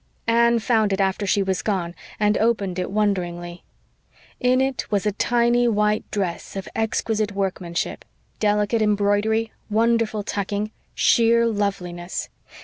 Anne found it after she was gone and opened it wonderingly. In it was a tiny white dress of exquisite workmanship delicate embroidery, wonderful tucking, sheer loveliness.